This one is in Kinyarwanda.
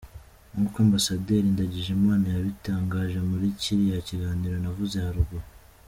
Nk’uko Ambassadeur Ndagjimana yabitangaje muri kiriya kiganiro navuze haruguru.